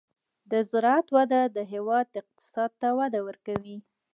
د زراعت وده د هېواد اقتصاد ته وده ورکوي.